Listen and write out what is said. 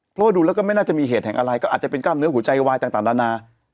เพราะว่าดูแล้วก็ไม่น่าจะมีเหตุแห่งอะไรก็อาจจะเป็นกล้ามเนื้อหัวใจวายต่างนานา